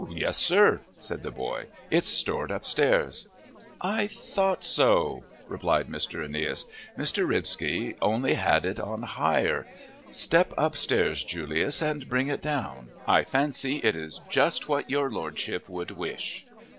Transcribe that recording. "Yes, sir," said the boy. "It's stored upstairs." "I thought so," replied Mr. Aeneas. "Mr. Ripsby only had it on hire. Step upstairs, Julius, and bring it down. I fancy it is just what your Lordship would wish.